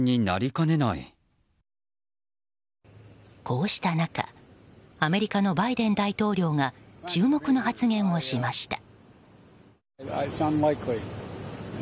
こうした中アメリカのバイデン大統領が注目の発言をしました。